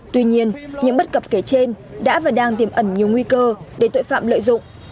tuy nhiên những bất cập kể trên đã và đang tiềm ẩn nhiều nguy cơ để tội phạm lợi dụng